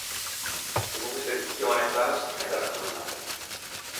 Dopo questa edizione, la rassegna verrà annullata.